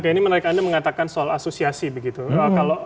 oke ini menarik anda mengatakan soal asosiasi begitu